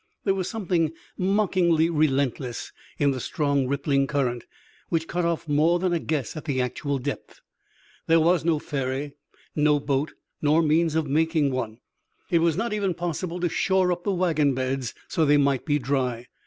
There was something mockingly relentless in the strong rippling current, which cut off more than a guess at the actual depth. There was no ferry, no boat nor means of making one. It was not even possible to shore up the wagon beds so they might be dry.